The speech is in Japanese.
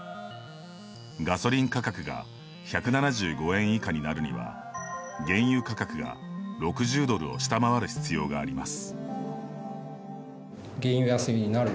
ガソリン価格が１７５円以下になるには原油価格が６０ドルを下回る必要があります。